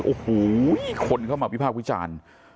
โอ้โหคนเข้ามาวิพากษ์วิจารณ์